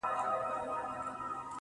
پاچا صفا ووت، ه پکي غل زه یم,